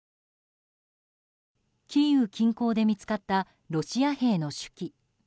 キーウ近郊で見つかったロシア兵の手記。